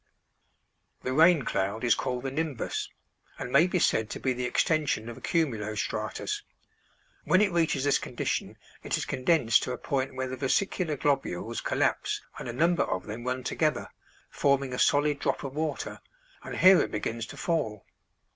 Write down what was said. The rain cloud is called the nimbus, and may be said to be the extension of a cumulo stratus. When it reaches this condition it is condensed to a point where the vesicular globules collapse and a number of them run together, forming a solid drop of water, and here it begins to fall.